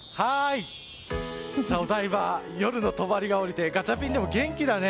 お台場、夜のとばりが下りてガチャピン、元気だね。